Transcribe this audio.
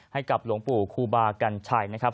ให้กับหลวงปู่ครูบากัญชัยนะครับ